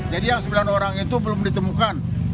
jadi yang sembilan orang itu belum ditemukan